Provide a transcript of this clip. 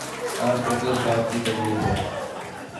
آپ کو کس بات کی تکلیف ہے؟